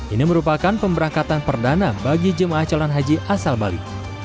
ini merupakan pemberangkatan perdana bagi jemaah calon haji asal bali